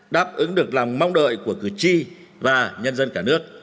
đáp ứng được lòng mong đợi của cử tri và nhân dân cả nước